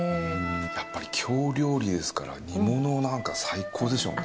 やっぱり京料理ですから煮物なんか最高でしょうね。